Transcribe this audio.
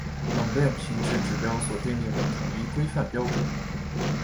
冷链品质指标所订定的统一规范准则。